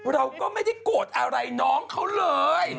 เราก็ไม่ได้โกรธอะไรน้องเขาเลย